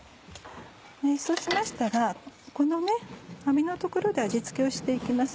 そうしましたらこの網の所で味付けをして行きます。